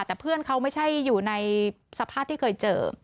แต่เพื่อนเขาไม่ใช่อยู่ในสภาพที่เคยเจอ